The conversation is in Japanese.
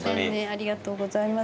ありがとうございます。